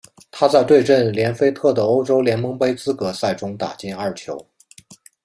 他在对阵连菲特的欧洲联盟杯资格赛中打进二球。